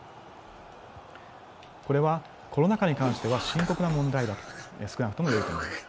これはコロナ禍に関しては深刻な問題だと少なくとも言えると思います。